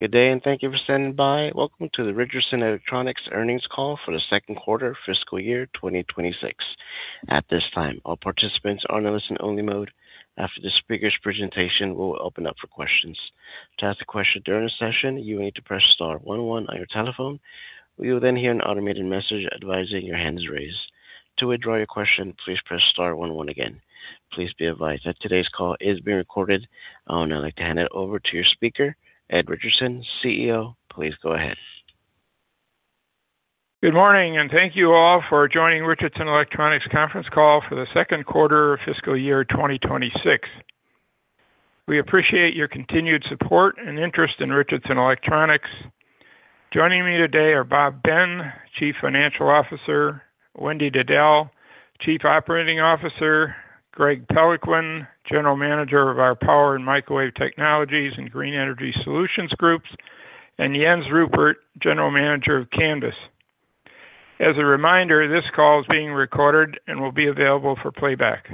Good day, and thank you for standing by. Welcome to the Richardson Electronics earnings call for the second quarter of fiscal year 2026. At this time, all participants are in the listen-only mode. After the speaker's presentation, we will open up for questions. To ask a question during the session, you will need to press star one on your telephone. You will then hear an automated message advising that your hand is raised. To withdraw your question, please press star one again. Please be advised that today's call is being recorded, and I'd like to hand it over to your speaker, Ed Richardson, CEO. Please go ahead. Good morning, and thank you all for joining Richardson Electronics conference call for the second quarter of fiscal year 2026. We appreciate your continued support and interest in Richardson Electronics. Joining me today are Bob Ben, Chief Financial Officer, Wendy Diddell, Chief Operating Officer, Greg Peloquin, General Manager of our Power and Microwave Technologies and Green Energy Solutions Groups, and Jens Ruppert, General Manager of Canvys. As a reminder, this call is being recorded and will be available for playback.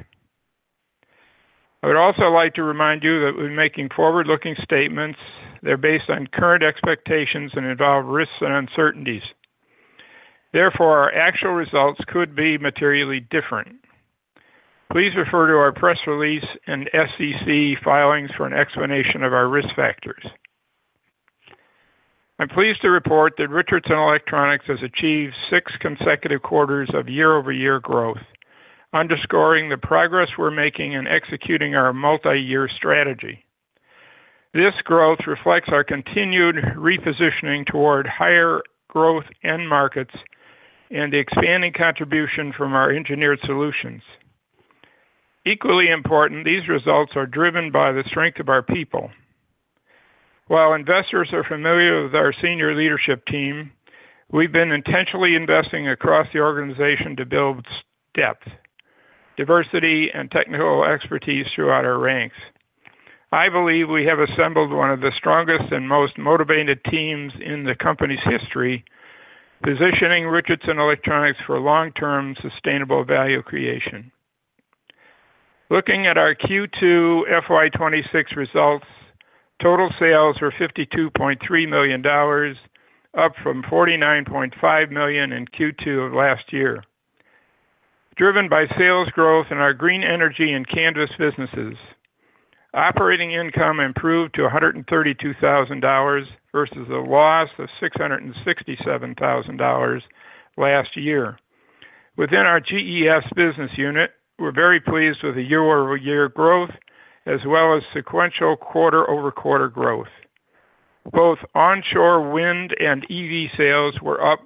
I would also like to remind you that we're making forward-looking statements. They're based on current expectations and involve risks and uncertainties. Therefore, our actual results could be materially different. Please refer to our press release and SEC filings for an explanation of our risk factors. I'm pleased to report that Richardson Electronics has achieved six consecutive quarters of year-over-year growth, underscoring the progress we're making in executing our multi-year strategy. This growth reflects our continued repositioning toward higher growth end markets and the expanding contribution from our engineered solutions. Equally important, these results are driven by the strength of our people. While investors are familiar with our senior leadership team, we've been intentionally investing across the organization to build depth, diversity, and technical expertise throughout our ranks. I believe we have assembled one of the strongest and most motivated teams in the company's history, positioning Richardson Electronics for long-term sustainable value creation. Looking at our Q2 FY26 results, total sales were $52.3 million, up from $49.5 million in Q2 of last year. Driven by sales growth in our green energy and Canvys businesses, operating income improved to $132,000 versus a loss of $667,000 last year. Within our GES business unit, we're very pleased with the year-over-year growth as well as sequential quarter-over-quarter growth. Both onshore wind and EV sales were up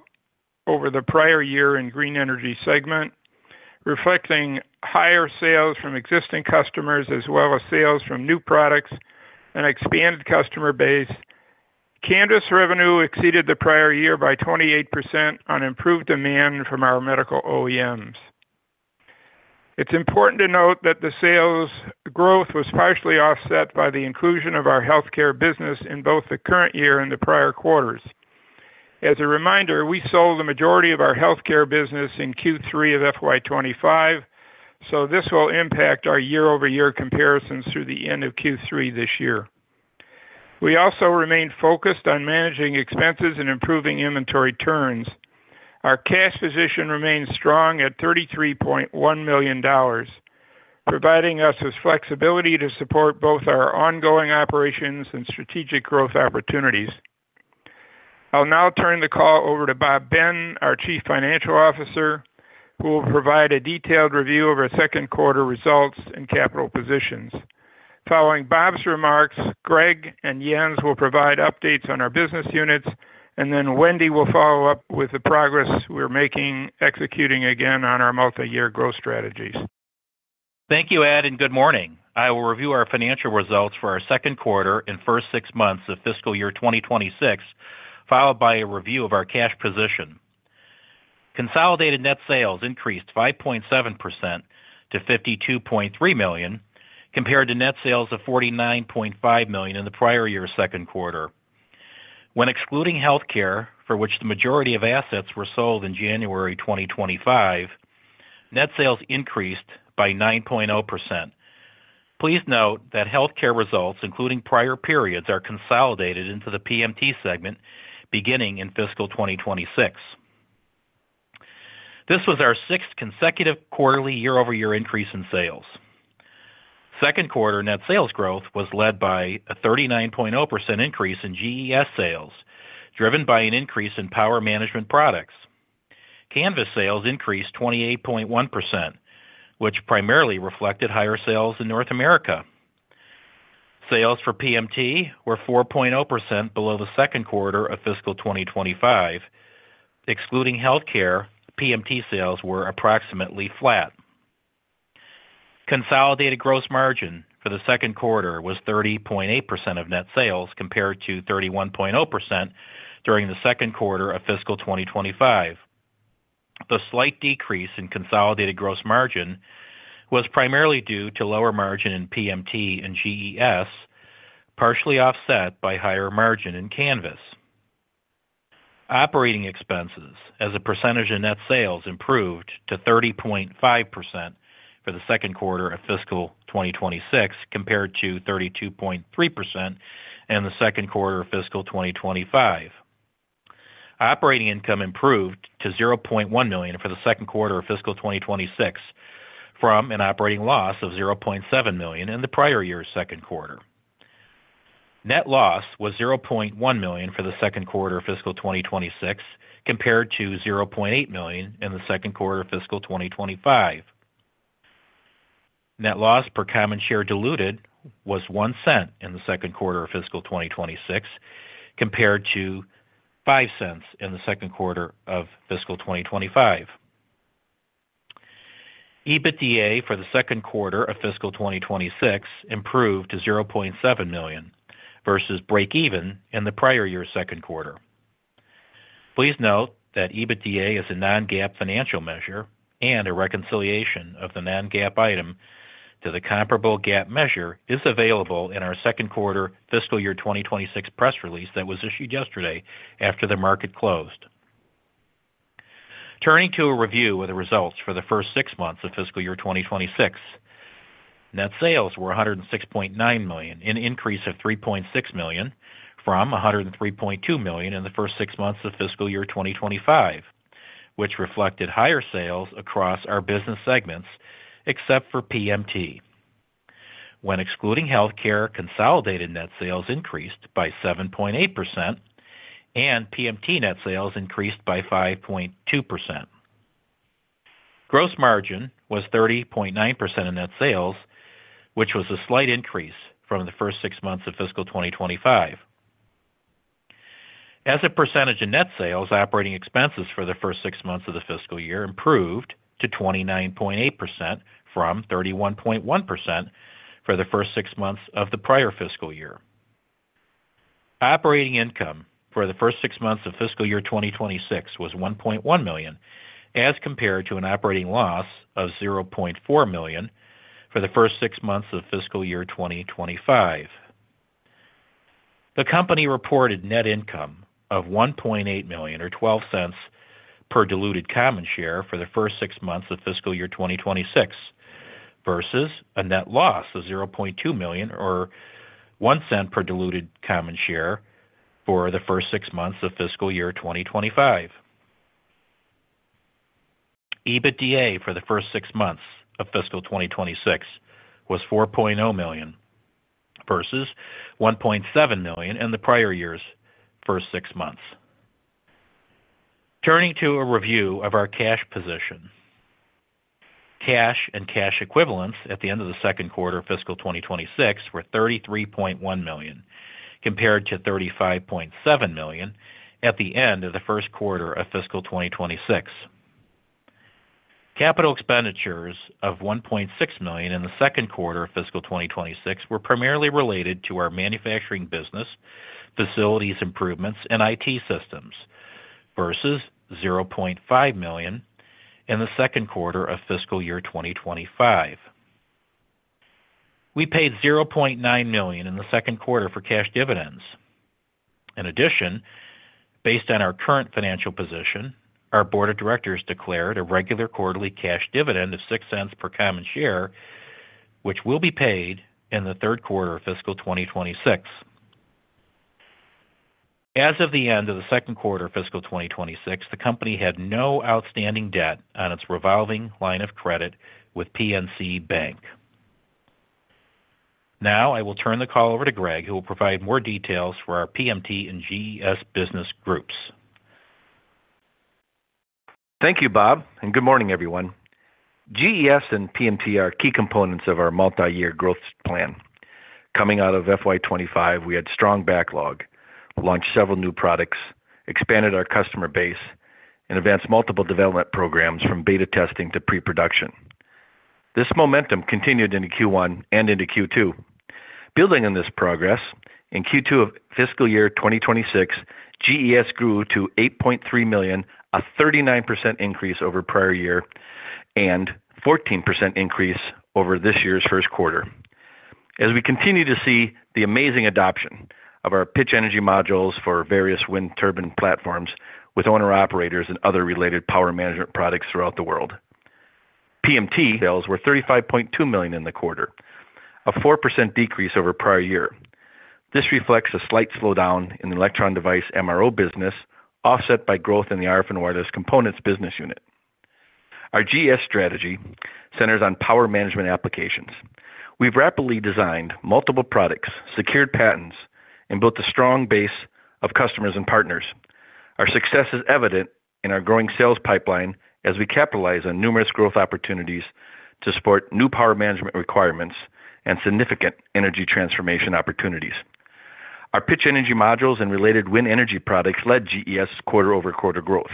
over the prior year in the green energy segment, reflecting higher sales from existing customers as well as sales from new products and expanded customer base. Canvys revenue exceeded the prior year by 28% on improved demand from our medical OEMs. It's important to note that the sales growth was partially offset by the inclusion of our healthcare business in both the current year and the prior quarters. As a reminder, we sold the majority of our healthcare business in Q3 of FY25, so this will impact our year-over-year comparisons through the end of Q3 this year. We also remain focused on managing expenses and improving inventory turns. Our cash position remains strong at $33.1 million, providing us with flexibility to support both our ongoing operations and strategic growth opportunities. I'll now turn the call over to Bob Ben, our Chief Financial Officer, who will provide a detailed review of our second quarter results and capital positions. Following Bob's remarks, Greg and Jens will provide updates on our business units, and then Wendy will follow up with the progress we're making, executing again on our multi-year growth strategies. Thank you, Ed, and good morning. I will review our financial results for our second quarter and first six months of fiscal year 2026, followed by a review of our cash position. Consolidated net sales increased 5.7% to $52.3 million, compared to net sales of $49.5 million in the prior year's second quarter. When excluding healthcare, for which the majority of assets were sold in January 2025, net sales increased by 9.0%. Please note that healthcare results, including prior periods, are consolidated into the PMT segment beginning in fiscal 2026. This was our sixth consecutive quarterly year-over-year increase in sales. Second quarter net sales growth was led by a 39.0% increase in GES sales, driven by an increase in power management products. Canvys sales increased 28.1%, which primarily reflected higher sales in North America. Sales for PMT were 4.0% below the second quarter of fiscal 2025. Excluding healthcare, PMT sales were approximately flat. Consolidated gross margin for the second quarter was 30.8% of net sales, compared to 31.0% during the second quarter of fiscal 2025. The slight decrease in consolidated gross margin was primarily due to lower margin in PMT and GES, partially offset by higher margin in Canvys. Operating expenses, as a percentage of net sales, improved to 30.5% for the second quarter of fiscal 2026, compared to 32.3% in the second quarter of fiscal 2025. Operating income improved to $0.1 million for the second quarter of fiscal 2026, from an operating loss of $0.7 million in the prior year's second quarter. Net loss was $0.1 million for the second quarter of fiscal 2026, compared to $0.8 million in the second quarter of fiscal 2025. Net loss per common share diluted was $0.01 in the second quarter of fiscal 2026, compared to $0.05 in the second quarter of fiscal 2025. EBITDA for the second quarter of fiscal 2026 improved to $0.7 million versus break-even in the prior year's second quarter. Please note that EBITDA is a non-GAAP financial measure, and a reconciliation of the non-GAAP item to the comparable GAAP measure is available in our second quarter fiscal year 2026 press release that was issued yesterday after the market closed. Turning to a review of the results for the first six months of fiscal year 2026, net sales were $106.9 million, an increase of $3.6 million from $103.2 million in the first six months of fiscal year 2025, which reflected higher sales across our business segments except for PMT. When excluding healthcare, consolidated net sales increased by 7.8%, and PMT net sales increased by 5.2%. Gross margin was 30.9% of net sales, which was a slight increase from the first six months of fiscal 2025. As a percentage of net sales, operating expenses for the first six months of the fiscal year improved to 29.8% from 31.1% for the first six months of the prior fiscal year. Operating income for the first six months of fiscal year 2026 was $1.1 million, as compared to an operating loss of $0.4 million for the first six months of fiscal year 2025. The company reported net income of $1.8 million, or $0.12, per diluted common share for the first six months of fiscal year 2026, versus a net loss of $0.2 million, or $0.01 per diluted common share for the first six months of fiscal year 2025. EBITDA for the first six months of fiscal 2026 was $4.0 million, versus $1.7 million in the prior year's first six months. Turning to a review of our cash position. Cash and cash equivalents at the end of the Q2 of fiscal 2026 were $33.1 million, compared to $35.7 million at the end of the first quarter of fiscal 2026. Capital expenditures of $1.6 million in the Q2 of fiscal 2026 were primarily related to our manufacturing business, facilities improvements, and IT systems, versus $0.5 million in the Q2 of fiscal year 2025. We paid $0.9 million in the Q2 for cash dividends. In addition, based on our current financial position, our board of directors declared a regular quarterly cash dividend of $0.06 per common share, which will be paid in the Q3 of fiscal 2026. As of the end of the second quarter of fiscal 2026, the company had no outstanding debt on its revolving line of credit with PNC Bank. Now, I will turn the call over to Greg, who will provide more details for our PMT and GES business groups. Thank you, Bob, and good morning, everyone. GES and PMT are key components of our multi-year growth plan. Coming out of FY25, we had strong backlog, launched several new products, expanded our customer base, and advanced multiple development programs from beta testing to pre-production. This momentum continued into Q1 and into Q2. Building on this progress, in Q2 of fiscal year 2026, GES grew to $8.3 million, a 39% increase over prior year, and a 14% increase over this year's first quarter. As we continue to see the amazing adoption of our pitch energy modules for various wind turbine platforms with owner-operators and other related power management products throughout the world, PMT sales were $35.2 million in the quarter, a 4% decrease over prior year. This reflects a slight slowdown in the electron device MRO business, offset by growth in the RF and wireless components business unit. Our GES strategy centers on power management applications. We've rapidly designed multiple products, secured patents, and built a strong base of customers and partners. Our success is evident in our growing sales pipeline as we capitalize on numerous growth opportunities to support new power management requirements and significant energy transformation opportunities. Our pitch energy modules and related wind energy products led GES quarter-over-quarter growth.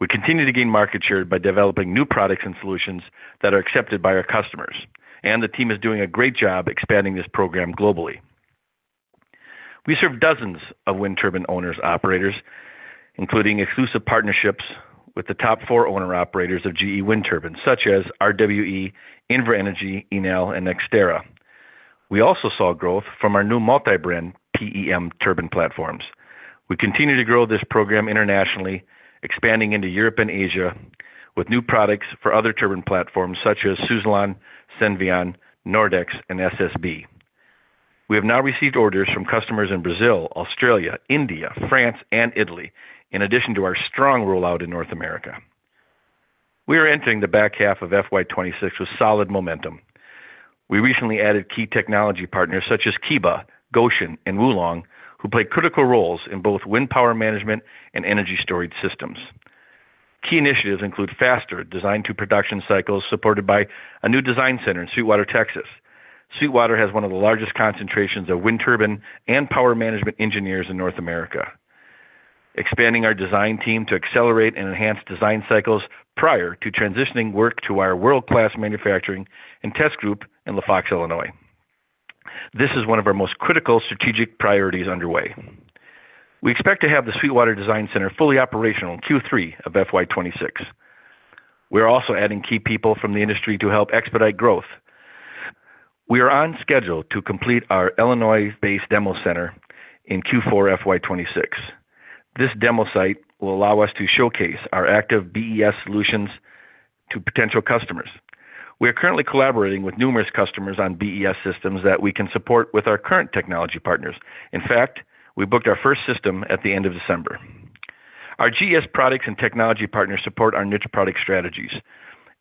We continue to gain market share by developing new products and solutions that are accepted by our customers, and the team is doing a great job expanding this program globally. We serve dozens of wind turbine owners-operators, including exclusive partnerships with the top four owner-operators of GE wind turbines, such as RWE, Invenergy, Enel, and NextEra. We also saw growth from our new multi-brand PEM turbine platforms. We continue to grow this program internationally, expanding into Europe and Asia with new products for other turbine platforms, such as Suzlon, Senvion, Nordex, and SSB. We have now received orders from customers in Brazil, Australia, India, France, and Italy, in addition to our strong rollout in North America. We are entering the back half of FY26 with solid momentum. We recently added key technology partners such as KEBA, Gotion, and Wuling, who play critical roles in both wind power management and energy storage systems. Key initiatives include faster design-to-production cycles supported by a new design center in Sweetwater, Texas. Sweetwater has one of the largest concentrations of wind turbine and power management engineers in North America. Expanding our design team to accelerate and enhance design cycles prior to transitioning work to our world-class manufacturing and test group in LaFox, Illinois. This is one of our most critical strategic priorities underway. We expect to have the Sweetwater Design Center fully operational in Q3 of FY26. We are also adding key people from the industry to help expedite growth. We are on schedule to complete our Illinois-based demo center in Q4 FY26. This demo site will allow us to showcase our active BES solutions to potential customers. We are currently collaborating with numerous customers on BES systems that we can support with our current technology partners. In fact, we booked our first system at the end of December. Our GES products and technology partners support our niche product strategies,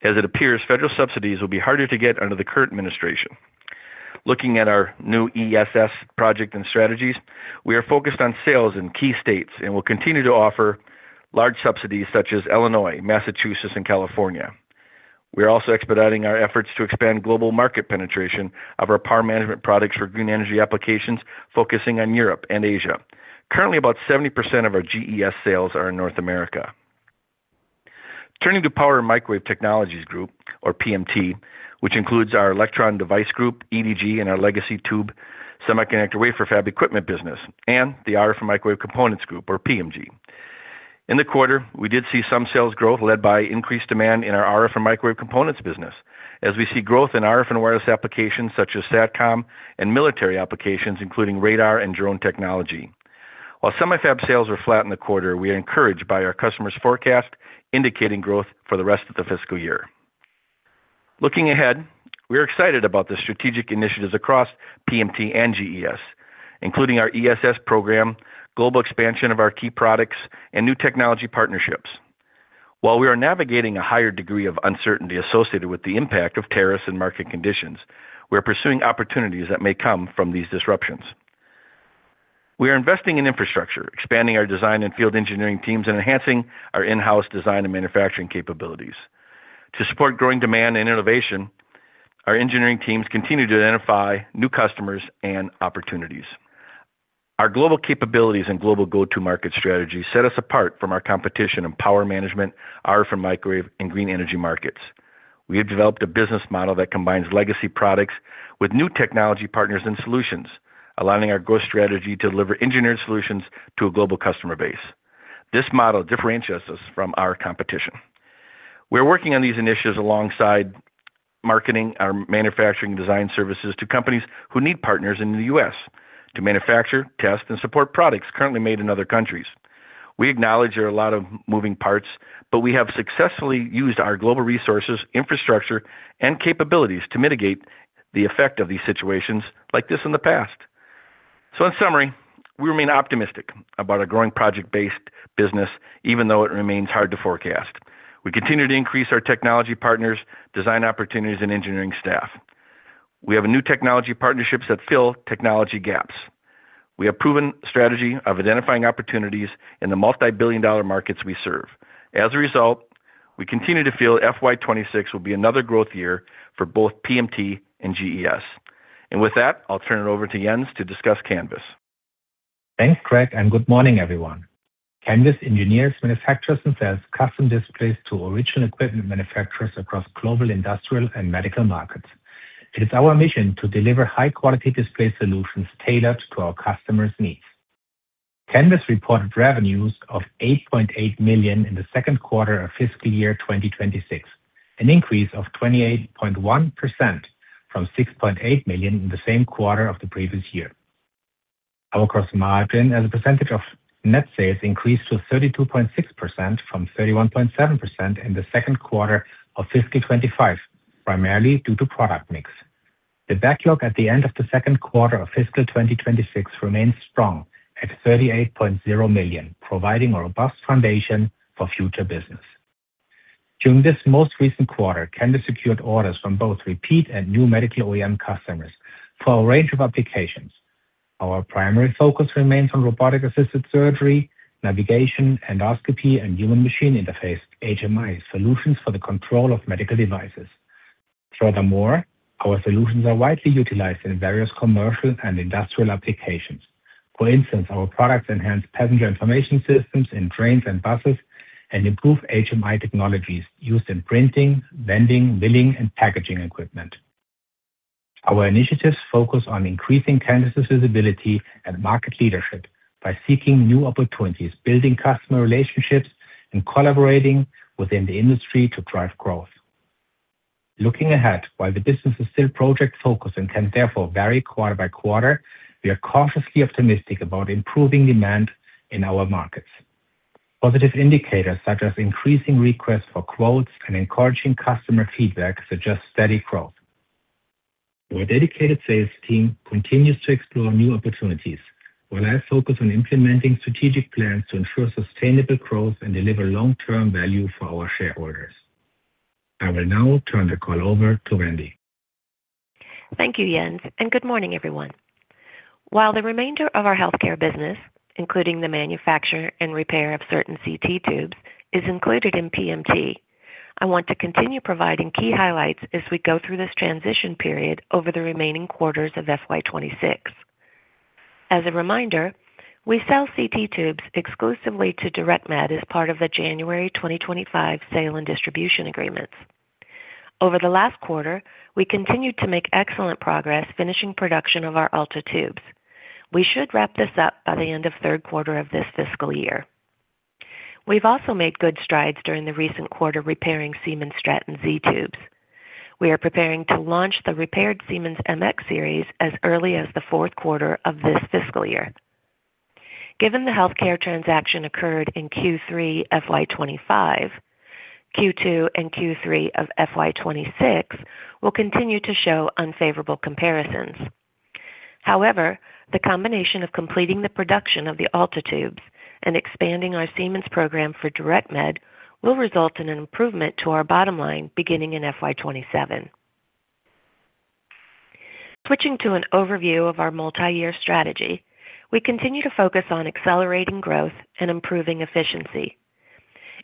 as it appears federal subsidies will be harder to get under the current administration. Looking at our new ESS project and strategies, we are focused on sales in key states and will continue to offer large subsidies such as Illinois, Massachusetts, and California. We are also expediting our efforts to expand global market penetration of our power management products for green energy applications, focusing on Europe and Asia. Currently, about 70% of our GES sales are in North America. Turning to Power and Microwave Technologies Group, or PMT, which includes our Electron Device Group, EDG, and our legacy tube semiconductor wafer fab equipment business, and the RF and Microwave Components Group, or PMG. In the quarter, we did see some sales growth led by increased demand in our RF and Microwave Components business, as we see growth in RF and wireless applications such as SATCOM and military applications, including radar and drone technology. While semi-fab sales were flat in the quarter, we are encouraged by our customers' forecast, indicating growth for the rest of the fiscal year. Looking ahead, we are excited about the strategic initiatives across PMT and GES, including our ESS program, global expansion of our key products, and new technology partnerships. While we are navigating a higher degree of uncertainty associated with the impact of tariffs and market conditions, we are pursuing opportunities that may come from these disruptions. We are investing in infrastructure, expanding our design and field engineering teams, and enhancing our in-house design and manufacturing capabilities. To support growing demand and innovation, our engineering teams continue to identify new customers and opportunities. Our global capabilities and global go-to-market strategy set us apart from our competition in power management, RF and microwave, and green energy markets. We have developed a business model that combines legacy products with new technology partners and solutions, allowing our growth strategy to deliver engineered solutions to a global customer base. This model differentiates us from our competition. We are working on these initiatives alongside marketing our manufacturing design services to companies who need partners in the U.S. to manufacture, test, and support products currently made in other countries. We acknowledge there are a lot of moving parts, but we have successfully used our global resources, infrastructure, and capabilities to mitigate the effect of these situations like this in the past. So, in summary, we remain optimistic about our growing project-based business, even though it remains hard to forecast. We continue to increase our technology partners, design opportunities, and engineering staff. We have new technology partnerships that fill technology gaps. We have proven strategy of identifying opportunities in the multi-billion-dollar markets we serve. As a result, we continue to feel FY26 will be another growth year for both PMT and GES. And with that, I'll turn it over to Jens to discuss Canvys. Thanks, Greg, and good morning, everyone. Canvys engineers, manufactures and sells custom displays to original equipment manufacturers across global industrial and medical markets. It is our mission to deliver high-quality display solutions tailored to our customers' needs. Canvys reported revenues of $8.8 million in the second quarter of fiscal year 2026, an increase of 28.1% from $6.8 million in the same quarter of the previous year. Our gross margin as a percentage of net sales increased to 32.6% from 31.7% in the second quarter of fiscal 25, primarily due to product mix. The backlog at the end of the second quarter of fiscal 2026 remains strong at $38.0 million, providing a robust foundation for future business. During this most recent quarter, Canvys secured orders from both repeat and new medical OEM customers for a range of applications. Our primary focus remains on robotic-assisted surgery, navigation, endoscopy, and human-machine interface (HMI) solutions for the control of medical devices. Furthermore, our solutions are widely utilized in various commercial and industrial applications. For instance, our products enhance passenger information systems in trains and buses and improve HMI technologies used in printing, vending, billing, and packaging equipment. Our initiatives focus on increasing Canvys's visibility and market leadership by seeking new opportunities, building customer relationships, and collaborating within the industry to drive growth. Looking ahead, while the business is still project-focused and can therefore vary quarter by quarter, we are cautiously optimistic about improving demand in our markets. Positive indicators such as increasing requests for quotes and encouraging customer feedback suggest steady growth. Our dedicated sales team continues to explore new opportunities, while I focus on implementing strategic plans to ensure sustainable growth and deliver long-term value for our shareholders. I will now turn the call over to Wendy. Thank you, Jens, and good morning, everyone. While the remainder of our healthcare business, including the manufacture and repair of certain CT tubes, is included in PMT, I want to continue providing key highlights as we go through this transition period over the remaining quarters of FY26. As a reminder, we sell CT tubes exclusively to DirectMed as part of the January 2025 sale and distribution agreements. Over the last quarter, we continued to make excellent progress finishing production of our ALTA tubes. We should wrap this up by the end of third quarter of this fiscal year. We've also made good strides during the recent quarter repairing Siemens Stratton Z tubes. We are preparing to launch the repaired Siemens MX series as early as the fourth quarter of this fiscal year. Given the healthcare transaction occurred in Q3 FY25, Q2 and Q3 of FY26 will continue to show unfavorable comparisons. However, the combination of completing the production of the ALTA tubes and expanding our Siemens program for DirectMed will result in an improvement to our bottom line beginning in FY27. Switching to an overview of our multi-year strategy, we continue to focus on accelerating growth and improving efficiency.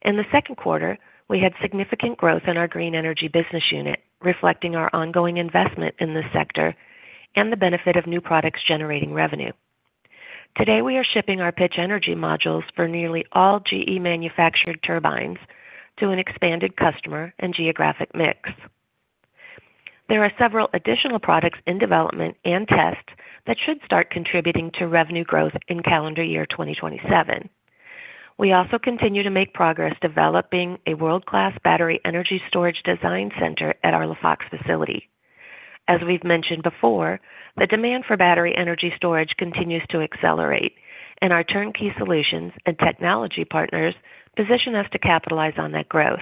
In the second quarter, we had significant growth in our green energy business unit, reflecting our ongoing investment in this sector and the benefit of new products generating revenue. Today, we are shipping our pitch energy modules for nearly all GE-manufactured turbines to an expanded customer and geographic mix. There are several additional products in development and test that should start contributing to revenue growth in calendar year 2027. We also continue to make progress developing a world-class battery energy storage design center at our LaFox facility. As we've mentioned before, the demand for battery energy storage continues to accelerate, and our turnkey solutions and technology partners position us to capitalize on that growth.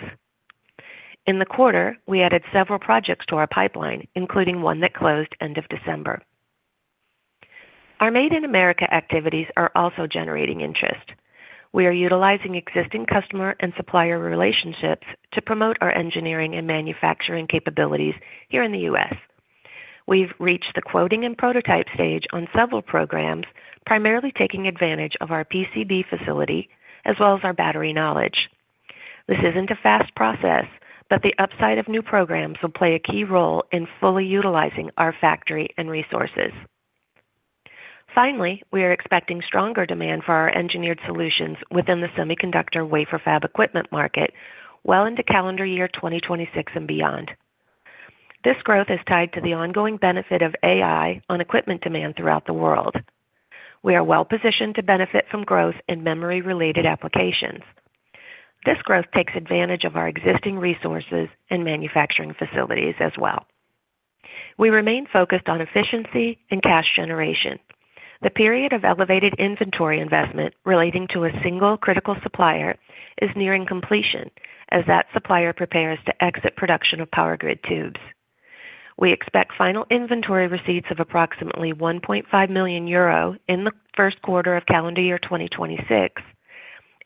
In the quarter, we added several projects to our pipeline, including one that closed end of December. Our Made in America activities are also generating interest. We are utilizing existing customer and supplier relationships to promote our engineering and manufacturing capabilities here in the U.S. We've reached the quoting and prototype stage on several programs, primarily taking advantage of our PCB facility as well as our battery knowledge. This isn't a fast process, but the upside of new programs will play a key role in fully utilizing our factory and resources. Finally, we are expecting stronger demand for our engineered solutions within the semiconductor wafer fab equipment market well into calendar year 2026 and beyond. This growth is tied to the ongoing benefit of AI on equipment demand throughout the world. We are well positioned to benefit from growth in memory-related applications. This growth takes advantage of our existing resources and manufacturing facilities as well. We remain focused on efficiency and cash generation. The period of elevated inventory investment relating to a single critical supplier is nearing completion as that supplier prepares to exit production of power grid tubes. We expect final inventory receipts of approximately 1.5 million euro in the first quarter of calendar year 2026,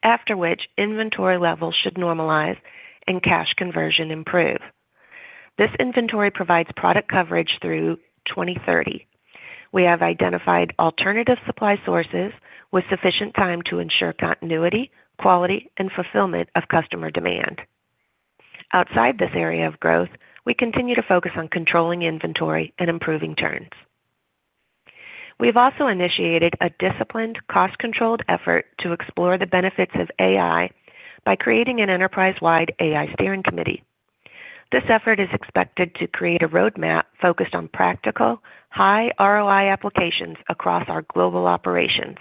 after which inventory levels should normalize and cash conversion improve. This inventory provides product coverage through 2030. We have identified alternative supply sources with sufficient time to ensure continuity, quality, and fulfillment of customer demand. Outside this area of growth, we continue to focus on controlling inventory and improving turns. We have also initiated a disciplined, cost-controlled effort to explore the benefits of AI by creating an enterprise-wide AI steering committee. This effort is expected to create a roadmap focused on practical, high ROI applications across our global operations.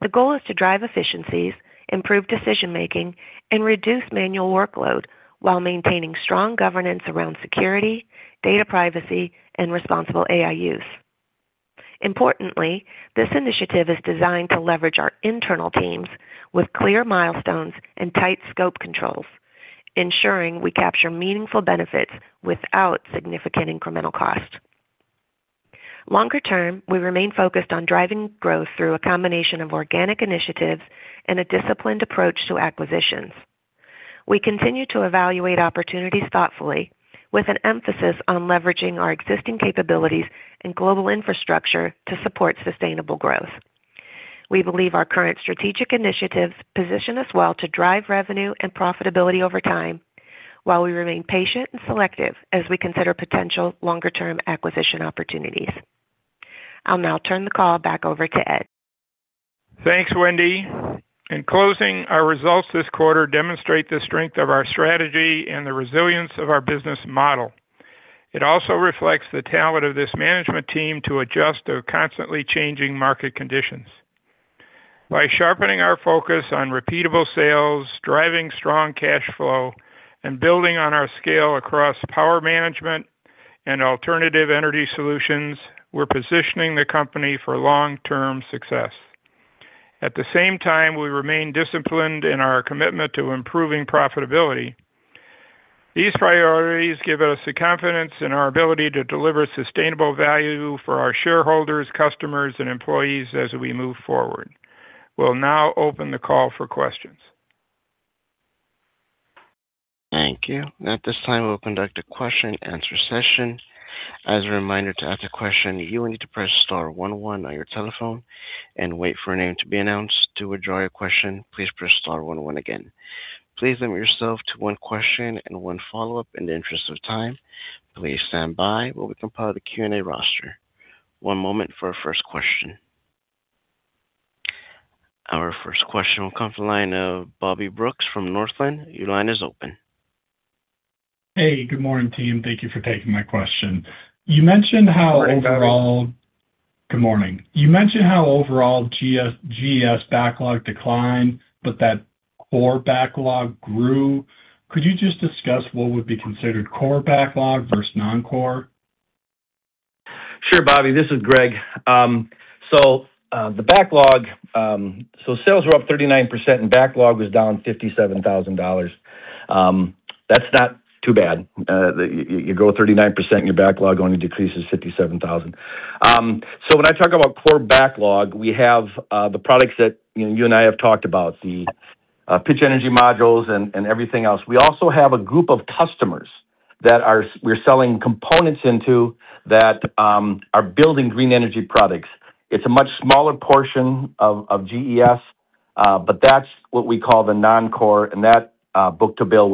The goal is to drive efficiencies, improve decision-making, and reduce manual workload while maintaining strong governance around security, data privacy, and responsible AI use. Importantly, this initiative is designed to leverage our internal teams with clear milestones and tight scope controls, ensuring we capture meaningful benefits without significant incremental cost. Longer term, we remain focused on driving growth through a combination of organic initiatives and a disciplined approach to acquisitions. We continue to evaluate opportunities thoughtfully, with an emphasis on leveraging our existing capabilities and global infrastructure to support sustainable growth. We believe our current strategic initiatives position us well to drive revenue and profitability over time, while we remain patient and selective as we consider potential longer-term acquisition opportunities. I'll now turn the call back over to Ed. Thanks, Wendy. In closing, our results this quarter demonstrate the strength of our strategy and the resilience of our business model. It also reflects the talent of this management team to adjust to constantly changing market conditions. By sharpening our focus on repeatable sales, driving strong cash flow, and building on our scale across power management and alternative energy solutions, we're positioning the company for long-term success. At the same time, we remain disciplined in our commitment to improving profitability. These priorities give us the confidence in our ability to deliver sustainable value for our shareholders, customers, and employees as we move forward. We'll now open the call for questions. Thank you. At this time, we'll conduct a question-and-answer session. As a reminder to ask a question, you will need to press star one on your telephone and wait for a name to be announced. To withdraw your question, please press star one again. Please limit yourself to one question and one follow-up in the interest of time. Please stand by while we compile the Q&A roster. One moment for our first question. Our first question will come from the line of Bobby Brooks from Northland. Your line is open. Hey, good morning, team. Thank you for taking my question. You mentioned how overall. Morning. Good morning. You mentioned how overall GES backlog declined, but that core backlog grew. Could you just discuss what would be considered core backlog versus non-core? Sure, Bobby. This is Greg. So the backlog, so sales were up 39%, and backlog was down $57,000. That's not too bad. You go 39%, and your backlog only decreases $57,000. So when I talk about core backlog, we have the products that you and I have talked about, the pitch energy modules and everything else. We also have a group of customers that we're selling components into that are building green energy products. It's a much smaller portion of GES, but that's what we call the non-core, and that book to bill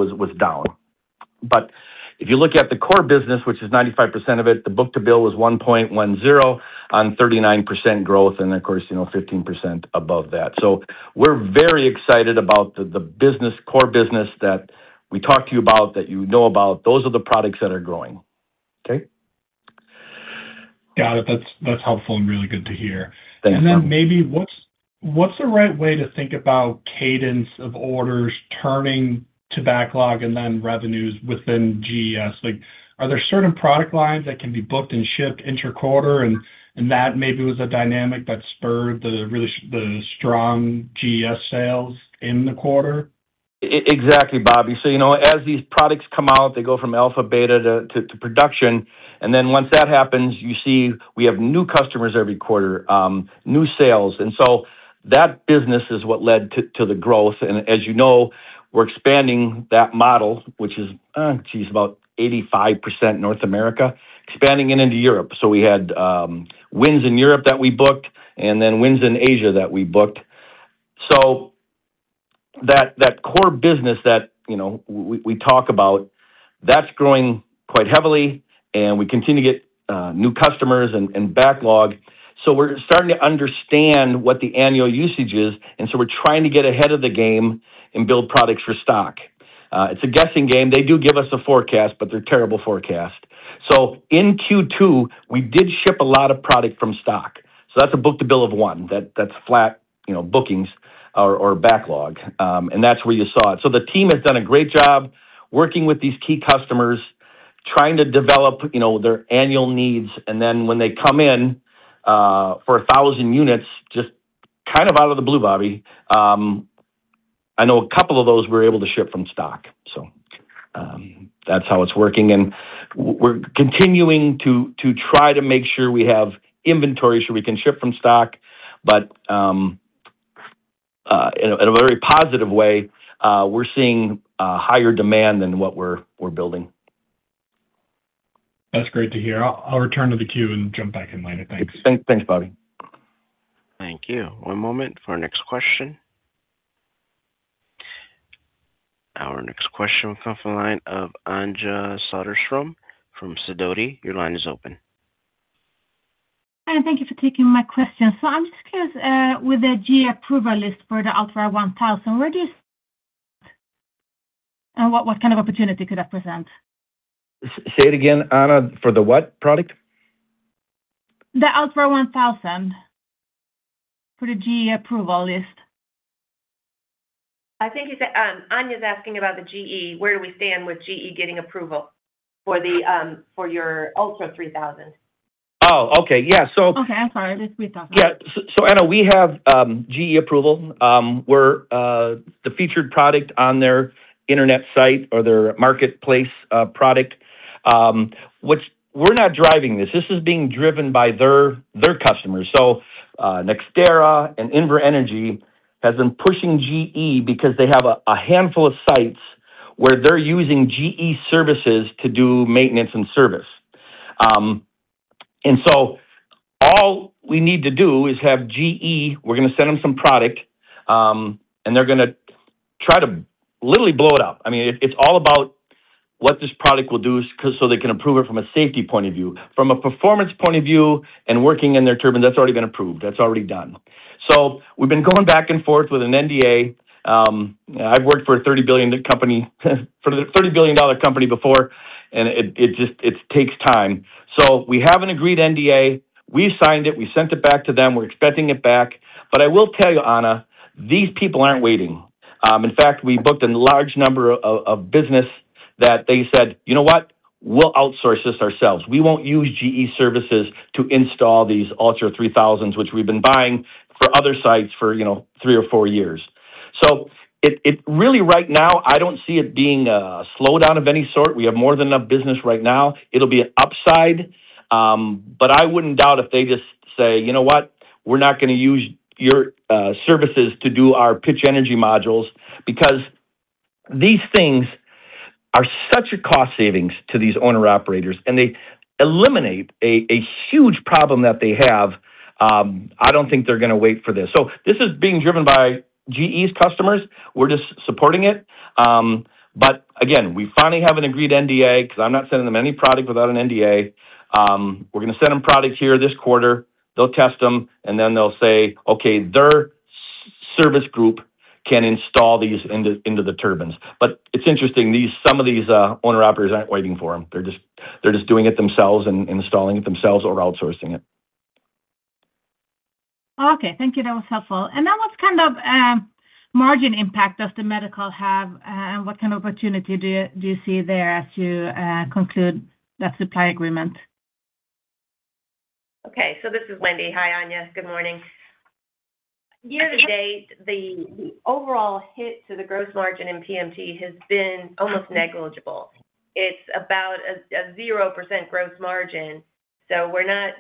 was down. But if you look at the core business, which is 95% of it, the book to bill was 1.10 on 39% growth and, of course, 15% above that. So we're very excited about the core business that we talked to you about, that you know about. Those are the products that are growing. Okay? Got it. That's helpful and really good to hear. Thanks, Bob. And then maybe what's the right way to think about cadence of orders turning to backlog and then revenues within GES? Are there certain product lines that can be booked and shipped interquarter, and that maybe was a dynamic that spurred the strong GES sales in the quarter? Exactly, Bobby. So as these products come out, they go from alpha, beta to production. And then once that happens, you see we have new customers every quarter, new sales. And so that business is what led to the growth. And as you know, we're expanding that model, which is, geez, about 85% North America, expanding into Europe. So we had wins in Europe that we booked and then wins in Asia that we booked. So that core business that we talk about, that's growing quite heavily, and we continue to get new customers and backlog. So we're starting to understand what the annual usage is, and so we're trying to get ahead of the game and build products for stock. It's a guessing game. They do give us a forecast, but they're a terrible forecast. So in Q2, we did ship a lot of product from stock. So that's a book to bill of one that's flat bookings or backlog, and that's where you saw it. So the team has done a great job working with these key customers, trying to develop their annual needs. And then when they come in for 1,000 units, just kind of out of the blue, Bobby, I know a couple of those we were able to ship from stock. So that's how it's working. And we're continuing to try to make sure we have inventory so we can ship from stock, but in a very positive way, we're seeing higher demand than what we're building. That's great to hear. I'll return to the queue and jump back in later. Thanks. Thanks, Bobby. Thank you. One moment for our next question. Our next question will come from the line of Anja Soderstrom from Sidoti. Your line is open. Hi, thank you for taking my question. So I'm just curious, with the GE approval list for the ALTA 1000, where do you see it? And what kind of opportunity could that present? Say it again, Anja, for the what product? The ALTA 1000 for the GE approval list. I think Anja's asking about the GE. Where do we stand with GE getting approval for your ULTRA3000? Oh, okay. Yeah. So. Okay. I'm sorry. Let's rethink. Yeah. So Anja, we have GE approval. We're the featured product on their internet site or their marketplace product. We're not driving this. This is being driven by their customers. So NextEra and Invenergy have been pushing GE because they have a handful of sites where they're using GE services to do maintenance and service. And so all we need to do is have GE. We're going to send them some product, and they're going to try to literally blow it up. I mean, it's all about what this product will do so they can approve it from a safety point of view, from a performance point of view, and working in their turbine. That's already been approved. That's already done. So we've been going back and forth with an NDA. I've worked for a $30 billion company before, and it takes time. So we have an agreed NDA. We signed it. We sent it back to them. We're expecting it back, but I will tell you, Anja, these people aren't waiting. In fact, we booked a large number of businesses that they said, "You know what? We'll outsource this ourselves. We won't use GE services to install these ULTRA3000s, which we've been buying for other sites for three or four years." So really, right now, I don't see it being a slowdown of any sort. We have more than enough business right now. It'll be an upside, but I wouldn't doubt if they just say, "You know what? We're not going to use your services to do our pitch energy modules because these things are such a cost savings to these owner-operators, and they eliminate a huge problem that they have. I don't think they're going to wait for this." So this is being driven by GE's customers. We're just supporting it. But again, we finally have an agreed NDA because I'm not sending them any product without an NDA. We're going to send them products here this quarter. They'll test them, and then they'll say, "Okay, their service group can install these into the turbines." But it's interesting, some of these owner-operators aren't waiting for them. They're just doing it themselves and installing it themselves or outsourcing it. Okay. Thank you. That was helpful, and then what's kind of margin impact does the medical have, and what kind of opportunity do you see there as you conclude that supply agreement? Okay. So this is Wendy. Hi, Anja. Good morning. Year to date, the overall hit to the gross margin in PMT has been almost negligible. It's about a 0% gross margin. So we're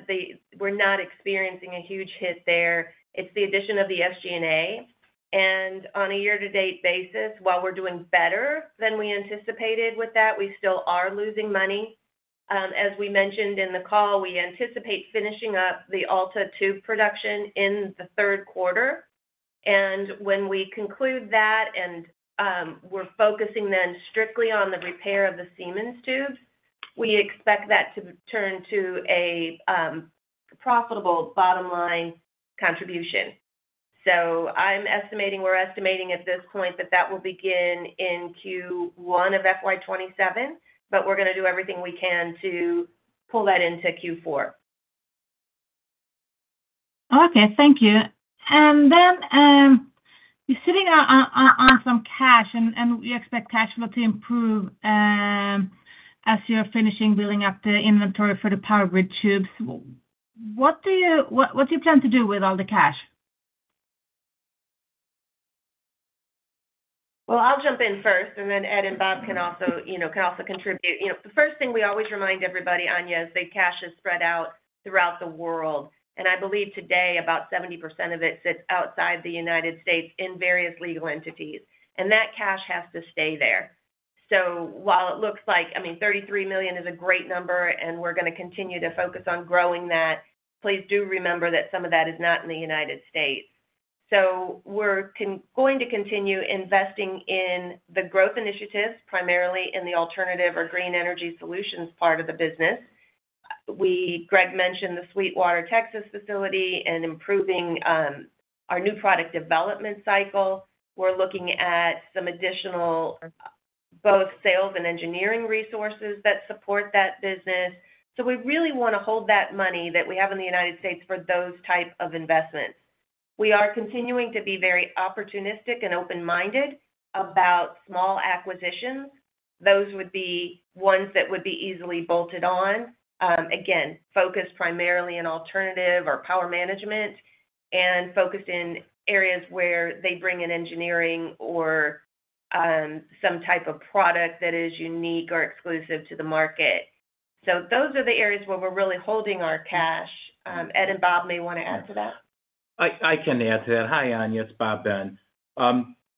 not experiencing a huge hit there. It's the addition of the SG&A. And on a year-to-date basis, while we're doing better than we anticipated with that, we still are losing money. As we mentioned in the call, we anticipate finishing up the ALTA tube production in the third quarter. And when we conclude that and we're focusing then strictly on the repair of the Siemens tubes, we expect that to turn to a profitable bottom-line contribution. So I'm estimating, we're estimating at this point that that will begin in Q1 of FY27, but we're going to do everything we can to pull that into Q4. Okay. Thank you. And then you're sitting on some cash, and you expect cash flow to improve as you're finishing building up the inventory for the power grid tubes. What do you plan to do with all the cash? I'll jump in first, and then Ed and Bob can also contribute. The first thing we always remind everybody, Anja, is that cash is spread out throughout the world. And I believe today about 70% of it sits outside the United States in various legal entities. And that cash has to stay there. So while it looks like, I mean, $33 million is a great number, and we're going to continue to focus on growing that, please do remember that some of that is not in the United States. So we're going to continue investing in the growth initiatives, primarily in the alternative or Green Energy Solutions part of the business. Greg mentioned the Sweetwater, Texas facility and improving our new product development cycle. We're looking at some additional both sales and engineering resources that support that business. So we really want to hold that money that we have in the United States for those types of investments. We are continuing to be very opportunistic and open-minded about small acquisitions. Those would be ones that would be easily bolted on, again, focused primarily in alternative or power management and focused in areas where they bring in engineering or some type of product that is unique or exclusive to the market. So those are the areas where we're really holding our cash. Ed and Bob may want to add to that. I can add to that. Hi, Anja. It's Bob Ben.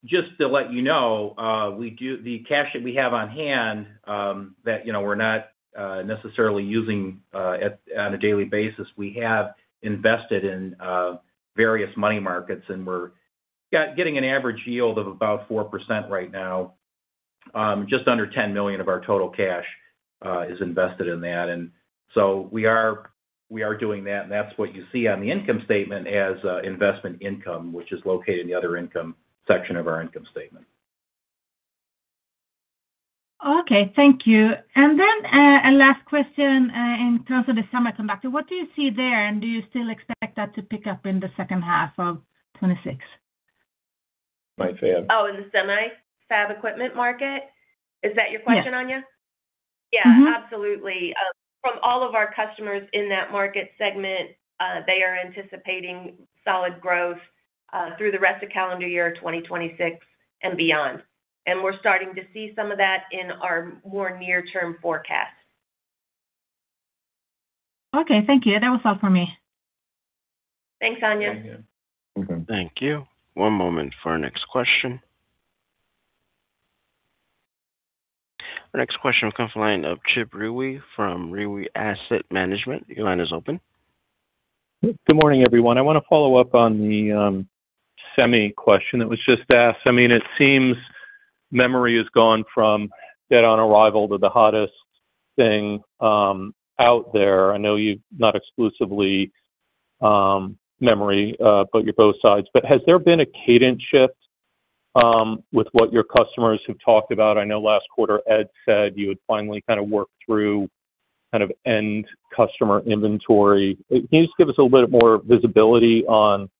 Just to let you know, the cash that we have on hand that we're not necessarily using on a daily basis, we have invested in various money markets, and we're getting an average yield of about 4% right now. Just under 10 million of our total cash is invested in that. And so we are doing that, and that's what you see on the income statement as investment income, which is located in the other income section of our income statement. Okay. Thank you. And then a last question in terms of the semiconductor. What do you see there, and do you still expect that to pick up in the second half of 2026? Oh, in the semi-fab equipment market? Is that your question, Anja? Yeah. Yeah. Absolutely. From all of our customers in that market segment, they are anticipating solid growth through the rest of calendar year 2026 and beyond, and we're starting to see some of that in our more near-term forecast. Okay. Thank you. That was all for me. Thanks, Anja. Thank you. Thank you. One moment for our next question. Our next question will come from Chip Rewey from Rewey Asset Management. Your line is open. Good morning, everyone. I want to follow up on the semi question that was just asked. I mean, it seems memory has gone from dead-on-arrival to the hottest thing out there. I know you're not exclusively memory, but you're both sides. But has there been a cadence shift with what your customers have talked about? I know last quarter, Ed said you had finally kind of worked through kind of end customer inventory. Can you just give us a little bit more visibility on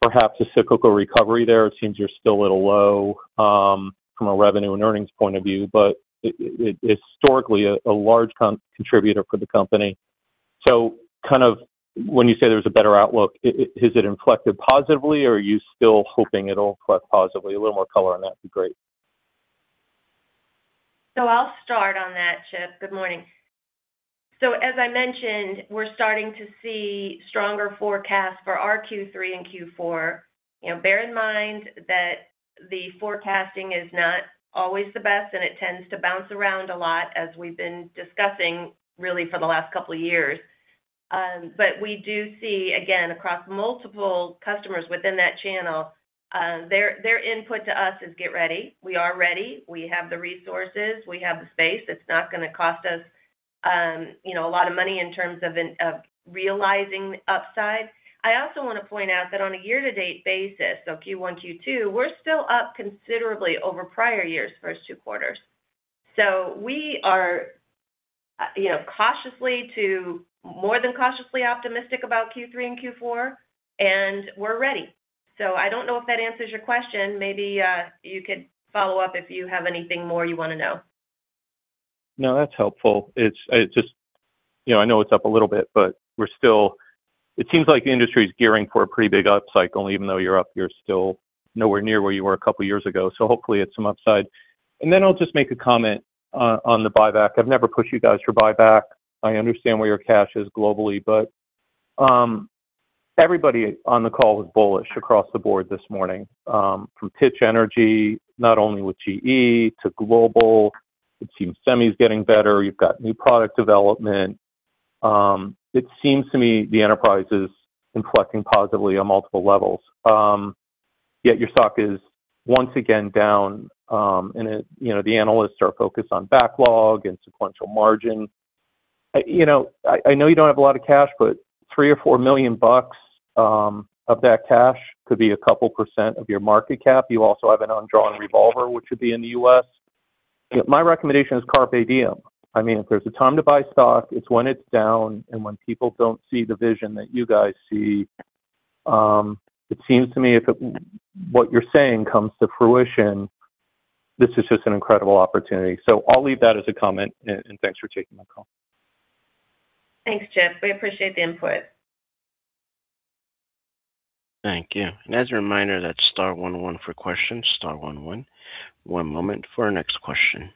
perhaps a cyclical recovery there? It seems you're still a little low from a revenue and earnings point of view, but historically a large contributor for the company. So kind of when you say there's a better outlook, has it inflected positively, or are you still hoping it'll reflect positively? A little more color on that would be great. So I'll start on that, Chip. Good morning. So as I mentioned, we're starting to see stronger forecasts for our Q3 and Q4. Bear in mind that the forecasting is not always the best, and it tends to bounce around a lot, as we've been discussing really for the last couple of years. But we do see, again, across multiple customers within that channel, their input to us is, "Get ready. We are ready. We have the resources. We have the space. It's not going to cost us a lot of money in terms of realizing upside." I also want to point out that on a year-to-date basis, so Q1, Q2, we're still up considerably over prior year's first two quarters. So we are cautiously to more than cautiously optimistic about Q3 and Q4, and we're ready. So I don't know if that answers your question. Maybe you could follow up if you have anything more you want to know. No, that's helpful. It's just I know it's up a little bit, but we're still it seems like the industry is gearing for a pretty big up cycle. Even though you're up, you're still nowhere near where you were a couple of years ago. So hopefully, it's some upside, and then I'll just make a comment on the buyback. I've never pushed you guys for buyback. I understand where your cash is globally, but everybody on the call was bullish across the board this morning from Pitch Energy, not only with GE to global. It seems semi is getting better. You've got new product development. It seems to me the enterprise is inflecting positively on multiple levels. Yet your stock is once again down, and the analysts are focused on backlog and sequential margin. I know you don't have a lot of cash, but $3 million or $4 million of that cash could be a couple % of your market cap. You also have an undrawn revolver, which would be in the U.S. My recommendation is Carpe diem. I mean, if there's a time to buy stock, it's when it's down, and when people don't see the vision that you guys see. It seems to me if what you're saying comes to fruition, this is just an incredible opportunity. So I'll leave that as a comment, and thanks for taking my call. Thanks, Chip. We appreciate the input. Thank you. And as a reminder, that's Star one one for questions. Star one one. One moment for our next question.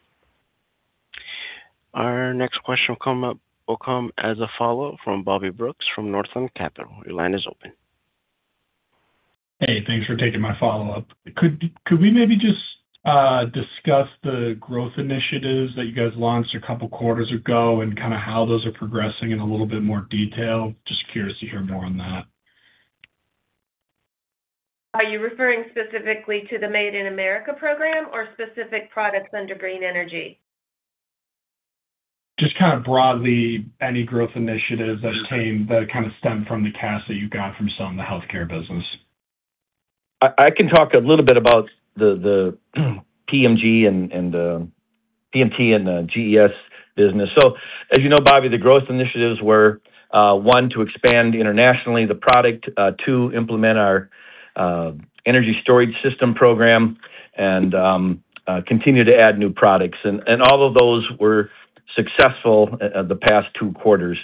Our next question will come as a follow-up from Bobby Brook from Northland Capital. Your line is open. Hey, thanks for taking my follow-up. Could we maybe just discuss the growth initiatives that you guys launched a couple quarters ago and kind of how those are progressing in a little bit more detail? Just curious to hear more on that. Are you referring specifically to the Made in America program or specific products under green energy? Just kind of broadly, any growth initiatives that kind of stem from the cash that you've got from some of the healthcare business? I can talk a little bit about the PMT and GES business, so as you know, Bobby, the growth initiatives were, one, to expand internationally the product, two, implement our energy storage system program, and continue to add new products, and all of those were successful the past two quarters,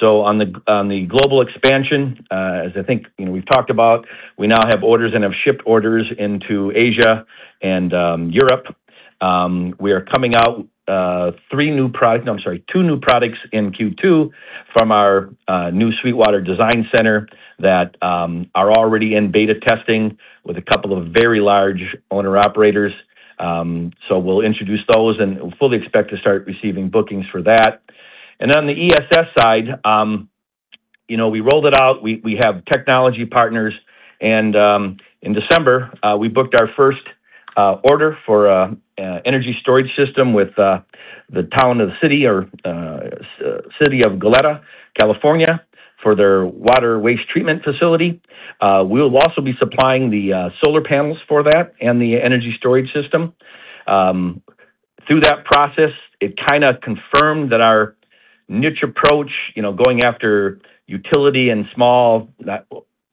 so on the global expansion, as I think we've talked about, we now have orders and have shipped orders into Asia and Europe. We are coming out three new products, I'm sorry, two new products in Q2 from our new Sweetwater Design Center that are already in beta testing with a couple of very large owner-operators, so we'll introduce those, and we fully expect to start receiving bookings for that, and on the ESS side, we rolled it out. We have technology partners. In December, we booked our first order for an energy storage system with the town of the city or city of Goleta, California, for their water waste treatment facility. We'll also be supplying the solar panels for that and the energy storage system. Through that process, it kind of confirmed that our niche approach going after utility and small,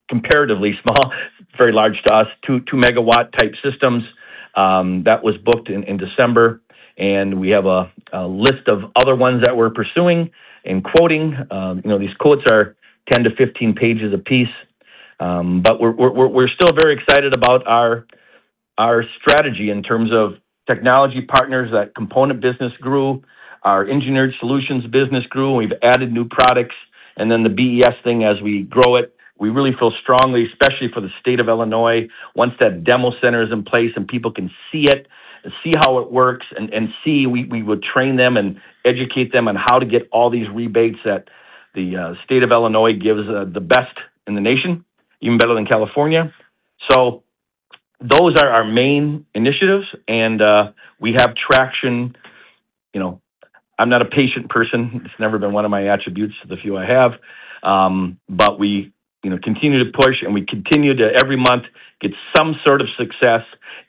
comparatively small, very large to us, two-megawatt-type systems, that was booked in December. We have a list of other ones that we're pursuing and quoting. These quotes are 10 to 15 pages a piece. We're still very excited about our strategy in terms of technology partners. That component business grew, our engineered solutions business grew. We've added new products. And then the BES thing, as we grow it, we really feel strongly, especially for the state of Illinois, once that demo center is in place and people can see it and see how it works and see, we would train them and educate them on how to get all these rebates that the state of Illinois gives the best in the nation, even better than California. So those are our main initiatives. And we have traction. I'm not a patient person. It's never been one of my attributes to the few I have. But we continue to push, and we continue to, every month, get some sort of success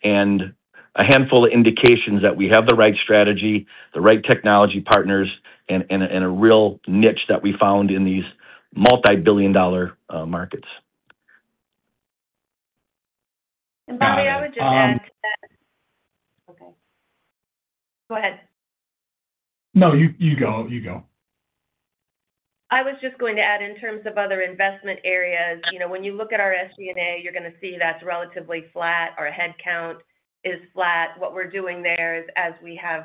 and a handful of indications that we have the right strategy, the right technology partners, and a real niche that we found in these multi-billion dollar markets. Bobby, I would just add to that. Okay. Go ahead. No, you go. You go. I was just going to add in terms of other investment areas. When you look at our SG&A, you're going to see that's relatively flat. Our headcount is flat. What we're doing there is, as we have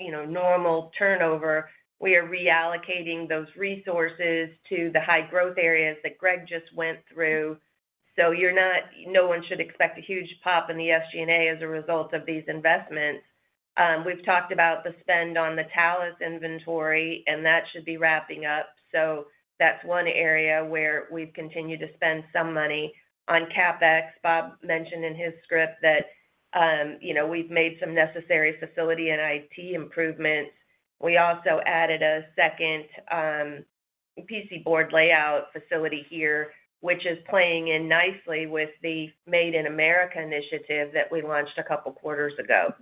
normal turnover, we are reallocating those resources to the high-growth areas that Greg just went through. So no one should expect a huge pop in the SG&A as a result of these investments. We've talked about the spend on the Thales inventory, and that should be wrapping up. So that's one area where we've continued to spend some money on CapEx. Bob mentioned in his script that we've made some necessary facility and IT improvements. We also added a second PC board layout facility here, which is playing in nicely with the Made in America initiative that we launched a couple quarters ago.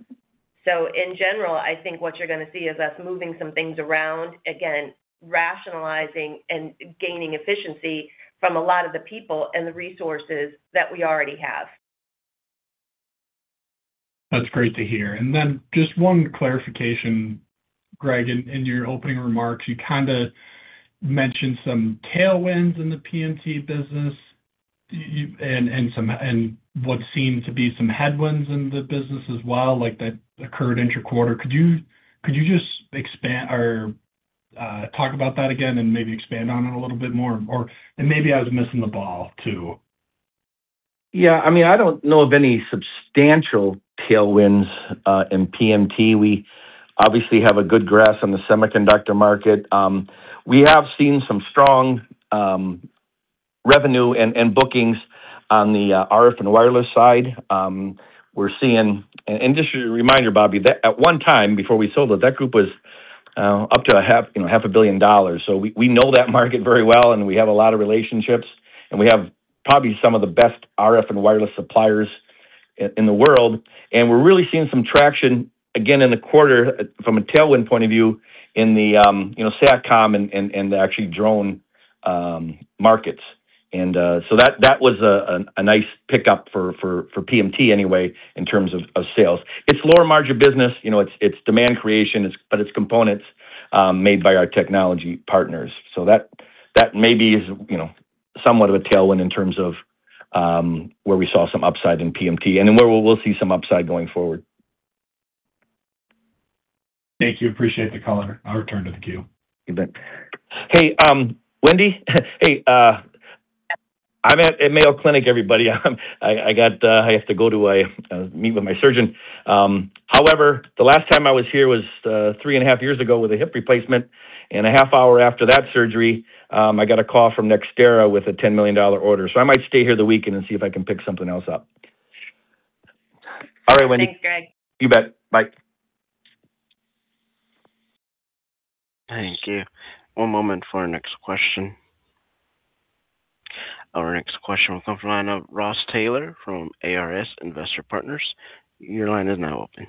In general, I think what you're going to see is us moving some things around, again, rationalizing and gaining efficiency from a lot of the people and the resources that we already have. That's great to hear. And then just one clarification, Greg, in your opening remarks, you kind of mentioned some tailwinds in the PMT business and what seemed to be some headwinds in the business as well that occurred intra-quarter. Could you just talk about that again and maybe expand on it a little bit more? and maybe I was missing the ball too. Yeah. I mean, I don't know of any substantial tailwinds in PMT. We obviously have a good grasp on the semiconductor market. We have seen some strong revenue and bookings on the RF and wireless side. We're seeing, and just a reminder, Bobby, that at one time before we sold it, that group was up to $500 million. So we know that market very well, and we have a lot of relationships, and we have probably some of the best RF and wireless suppliers in the world. And we're really seeing some traction, again, in the quarter from a tailwind point of view in the SATCOM and the actual drone markets. And so that was a nice pickup for PMT anyway in terms of sales. It's lower-margin business. It's demand creation, but it's components made by our technology partners. So that maybe is somewhat of a tailwind in terms of where we saw some upside in PMT and then where we'll see some upside going forward. Thank you. Appreciate the call. I'll return to the queue. Hey, Wendy. Hey. I'm at Mayo Clinic, everybody. I have to go to a meeting with my surgeon. However, the last time I was here was three and a half years ago with a hip replacement, and a half hour after that surgery, I got a call from NextEra with a $10 million order. So I might stay here the weekend and see if I can pick something else up. All right, Wendy. Thanks, Greg. You bet. Bye. Thank you. One moment for our next question. Our next question will come from Ross Taylor from ARS Investment Partners. Your line is now open.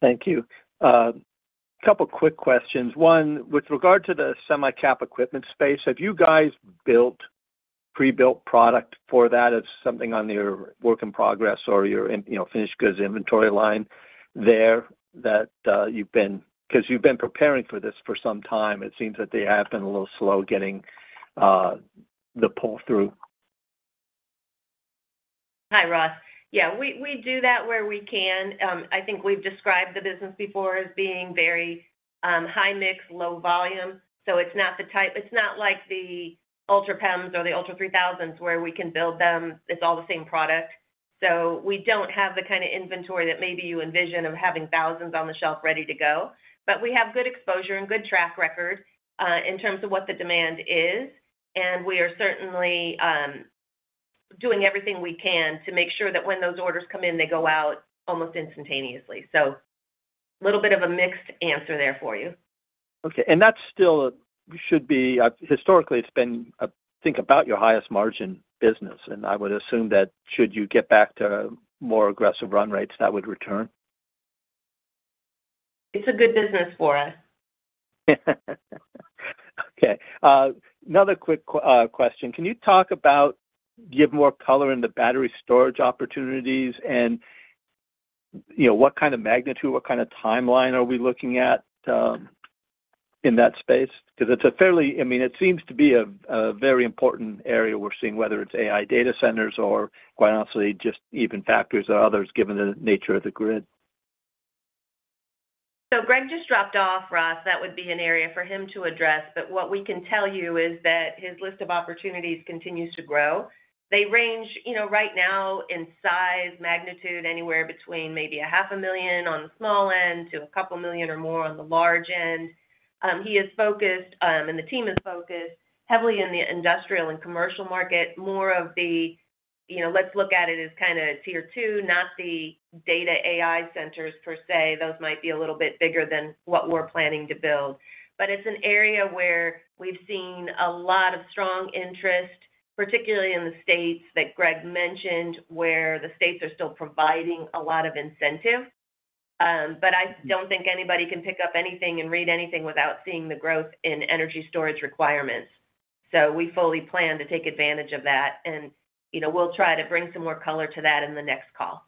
Thank you. A couple of quick questions. One, with regard to the semi-cap equipment space, have you guys built pre-built product for that? Is something on your work in progress or your finished goods inventory line there that you've been, because you've been preparing for this for some time, it seems that they have been a little slow getting the pull-through. Hi, Ross. Yeah, we do that where we can. I think we've described the business before as being very high mix, low volume. So it's not the type, it's not like the ULTRA PEMs or the ULTRA3000s where we can build them. It's all the same product. So we don't have the kind of inventory that maybe you envision of having thousands on the shelf ready to go. But we have good exposure and good track record in terms of what the demand is. And we are certainly doing everything we can to make sure that when those orders come in, they go out almost instantaneously. So a little bit of a mixed answer there for you. Okay. And that still should be historically, it's been, I think, about your highest margin business. And I would assume that should you get back to more aggressive run rates, that would return. It's a good business for us. Okay. Another quick question. Can you talk about, give more color in the battery storage opportunities and what kind of magnitude, what kind of timeline are we looking at in that space? Because it's a fairly, it seems to be a very important area we're seeing, whether it's AI data centers or, quite honestly, just even factors or others given the nature of the grid. Greg just dropped off, Ross. That would be an area for him to address. But what we can tell you is that his list of opportunities continues to grow. They range right now in size, magnitude anywhere between maybe $500,000 on the small end to $2 million or more on the large end. He is focused, and the team is focused heavily in the industrial and commercial market. More of the. Let's look at it as kind of tier two, not the data AI centers per se. Those might be a little bit bigger than what we're planning to build. But it's an area where we've seen a lot of strong interest, particularly in the states that Greg mentioned, where the states are still providing a lot of incentive. But I don't think anybody can pick up anything and read anything without seeing the growth in energy storage requirements. So we fully plan to take advantage of that. And we'll try to bring some more color to that in the next call.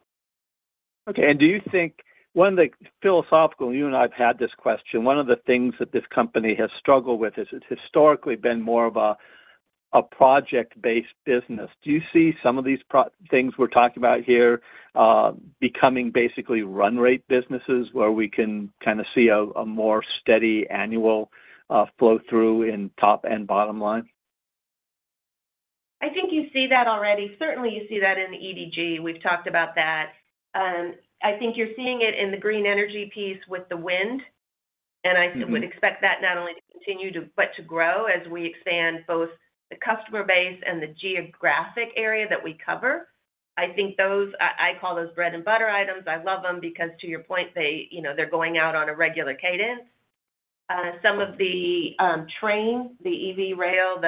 Okay. And do you think one of the philosophical, you and I have had this question—one of the things that this company has struggled with is it's historically been more of a project-based business. Do you see some of these things we're talking about here becoming basically run rate businesses where we can kind of see a more steady annual flow-through in top and bottom line? I think you see that already. Certainly, you see that in the EDG. We've talked about that. I think you're seeing it in the Green Energy piece with the wind. And I would expect that not only to continue but to grow as we expand both the customer base and the geographic area that we cover. I think those - I call those bread-and-butter items. I love them because, to your point, they're going out on a regular cadence. Some of the train, the EV rail,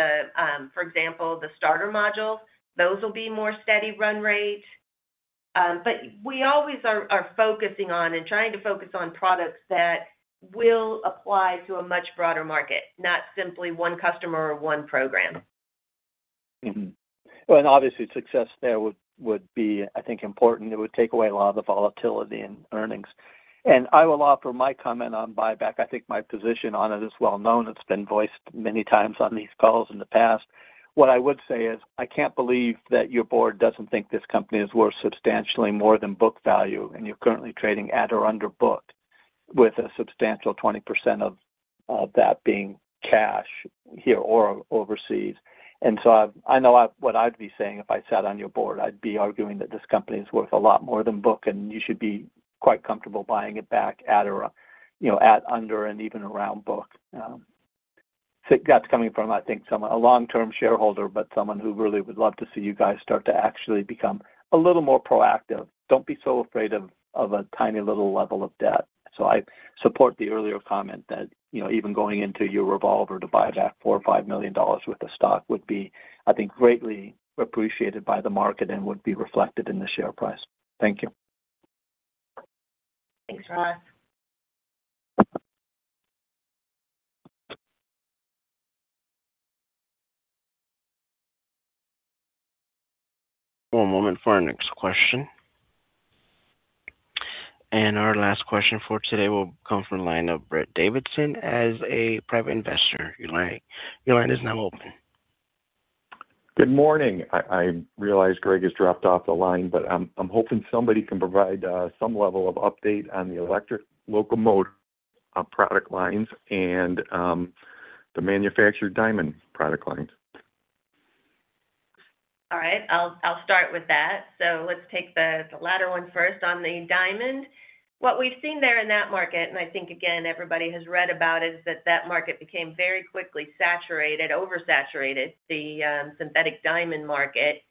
for example, the starter modules, those will be more steady run rate. But we always are focusing on and trying to focus on products that will apply to a much broader market, not simply one customer or one program. Obviously, success there would be, I think, important. It would take away a lot of the volatility in earnings. I will offer my comment on buyback. I think my position on it is well-known. It's been voiced many times on these calls in the past. What I would say is I can't believe that your board doesn't think this company is worth substantially more than book value, and you're currently trading at or under book with a substantial 20% of that being cash here or overseas. So I know what I'd be saying if I sat on your board. I'd be arguing that this company is worth a lot more than book, and you should be quite comfortable buying it back at or under and even around book. That's coming from, I think, a long-term shareholder, but someone who really would love to see you guys start to actually become a little more proactive. Don't be so afraid of a tiny little level of debt. So I support the earlier comment that even going into your revolver to buy back $4 million or $5 million worth of stock would be, I think, greatly appreciated by the market and would be reflected in the share price. Thank you. Thanks, Ross. One moment for our next question. And our last question for today will come from line of Brett Davidson as a private investor. Your line is now open. Good morning. I realize Greg has dropped off the line, but I'm hoping somebody can provide some level of update on the electric locomotive product lines and the manufactured diamond product lines. All right. I'll start with that. So let's take the latter one first on the diamond. What we've seen there in that market, and I think, again, everybody has read about it, is that that market became very quickly saturated, oversaturated, the synthetic diamond market.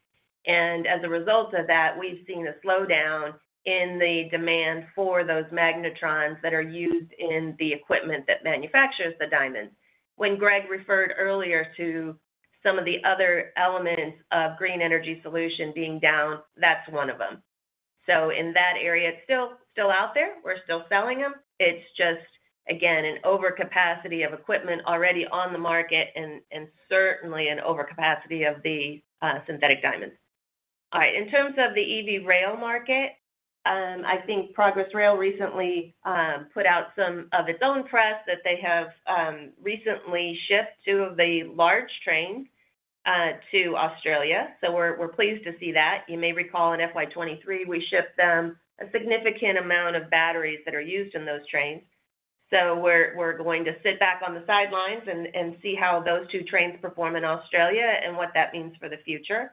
And as a result of that, we've seen a slowdown in the demand for those magnetrons that are used in the equipment that manufactures the diamonds. When Greg referred earlier to some of the other elements of Green Energy Solution being down, that's one of them. So in that area, it's still out there. We're still selling them. It's just, again, an overcapacity of equipment already on the market and certainly an overcapacity of the synthetic diamonds. All right. In terms of the EV rail market, I think Progress Rail recently put out some of its own press that they have recently shipped two of the large trains to Australia. So we're pleased to see that. You may recall in FY23, we shipped them a significant amount of batteries that are used in those trains. So we're going to sit back on the sidelines and see how those two trains perform in Australia and what that means for the future.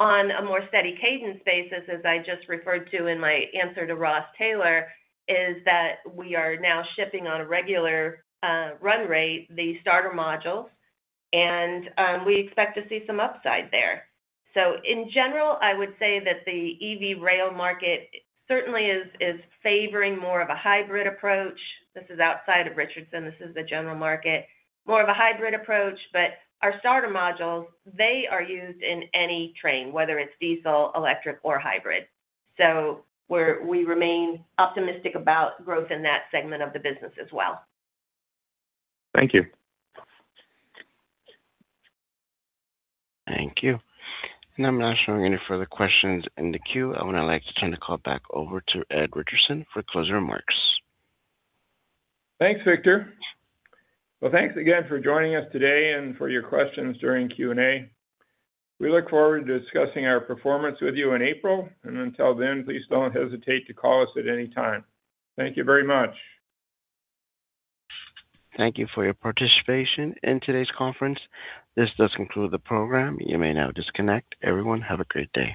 On a more steady cadence basis, as I just referred to in my answer to Ross Taylor, is that we are now shipping on a regular run rate, the starter modules, and we expect to see some upside there. So in general, I would say that the EV rail market certainly is favoring more of a hybrid approach. This is outside of Richardson. This is the general market. More of a hybrid approach. But our starter modules, they are used in any train, whether it's diesel, electric, or hybrid. So we remain optimistic about growth in that segment of the business as well. Thank you. Thank you, and I'm not showing any further questions in the queue. I would now like to turn the call back over to Ed Richardson for closing remarks. Thanks, Victor. Well, thanks again for joining us today and for your questions during Q&A. We look forward to discussing our performance with you in April. And until then, please don't hesitate to call us at any time. Thank you very much. Thank you for your participation in today's conference. This does conclude the program. You may now disconnect. Everyone, have a great day.